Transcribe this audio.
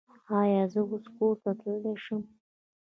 ایا زه اوس کور ته تلی شم؟